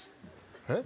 えっ？